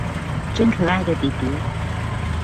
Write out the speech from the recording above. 真可愛的底迪